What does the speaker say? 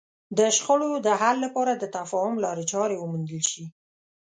د شخړو د حل لپاره د تفاهم لارې چارې وموندل شي.